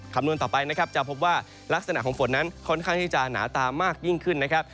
คำนวณต่อไปนะครับจะพบว่าลักษณะของฝนนั้นค่อนข้างที่จะหนาตามากยิ่งขึ้นนะครับ